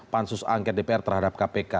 pansus angket dpr terhadap kpk